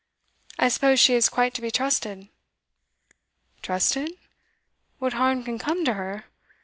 I suppose she is quite to be trusted?' 'Trusted? What harm can come to her?